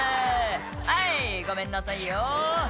「はいごめんなさいよ」